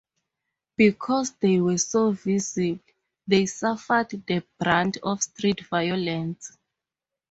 Because they were so visible, they suffered the brunt of street violence.